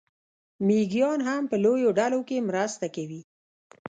مېږیان هم په لویو ډلو کې مرسته کوي.